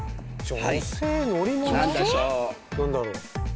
何だろう？